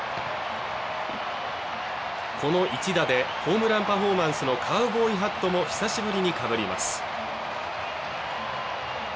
この一打でホームランパフォーマンスのカウボーイハットもひさしぶりにかぶります